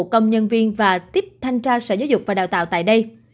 công nhân viên và tiếp thanh tra sở giáo dục và đào tạo tại đây